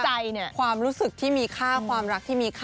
ใจเนี่ยความรู้สึกที่มีค่าความรักที่มีค่า